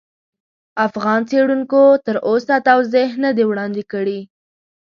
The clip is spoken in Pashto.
افغان څېړونکو تر اوسه توضیح نه دي وړاندې کړي.